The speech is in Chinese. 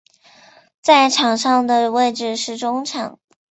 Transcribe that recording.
在场上的位置是中场。